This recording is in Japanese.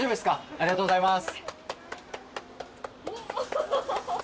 ありがとうございます。